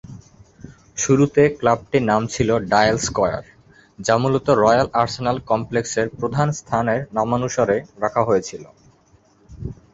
শুরুতে ক্লাবটির নাম ছিল ডায়াল স্কয়ার, যা মূলত রয়্যাল আর্সেনাল কমপ্লেক্সের প্রধান স্থানের নামানুসারে রাখা হয়েছিল।